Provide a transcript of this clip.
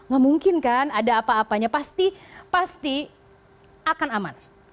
gak mungkin kan ada apa apanya pasti akan aman